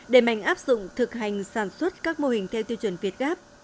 để mạnh áp dụng thực hành sản xuất các mô hình theo tiêu chuẩn việt gáp